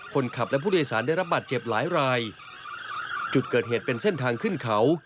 คนขับและผู้โดยสารได้รับบาดเจ็บหลายรายจุดเกิดเหตุเป็นเส้นทางขึ้นเขา